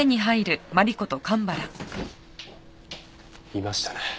いましたね。